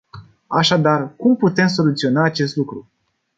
Așadar, cum putem soluționa acest lucru?